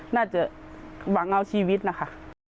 น่าจะหวังเอาชีวิตนะคะ